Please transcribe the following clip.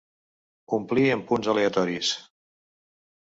Omplir amb punts aleatoris.